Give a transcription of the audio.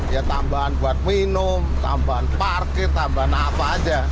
ya tambahan buat minum tambahan parkir tambahan apa aja